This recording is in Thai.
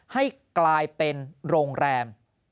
ให้กลายเป็นโรงแรม